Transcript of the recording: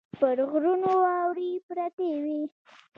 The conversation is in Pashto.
پر غرونو واورې پرتې وې.